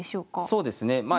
そうですねまあ